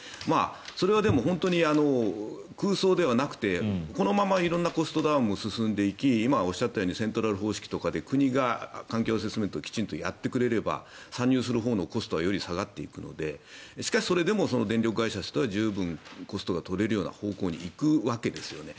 それはでも本当に空想ではなくてこのまま色んなコストダウンが進んでいき今おっしゃったようにセントラル方式で国が環境アセスメントをきちんとやってくれれば参入するほうのコストはより下がっていくのでしかし、それでも電力会社は十分コストが取れるような方法に行くわけですよね。